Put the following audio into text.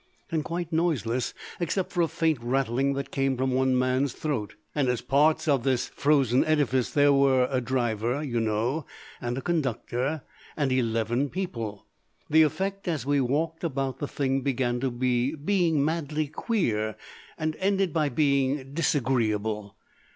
And quite noiseless except for a faint rattling that came from one man's throat! And as parts of this frozen edifice there were a driver, you know, and a conductor, and eleven people! The effect as we walked about the thing began by being madly queer, and ended by being disagreeable.